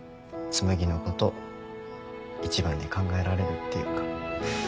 紬のこと一番に考えられるっていうか。